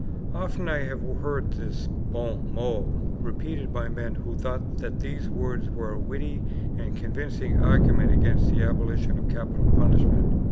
Often have I heard this BON MOT repeated by men who thought that these words were a witty and convincing argument against the abolition of capital punishment.